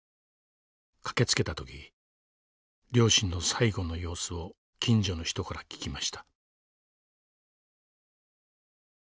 駆けつけた時両親の最期の様子を近所の人から聞きました。